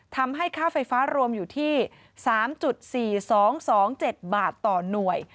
ค่าไฟฟ้ารวมอยู่ที่๓๔๒๒๗บาทต่อหน่วย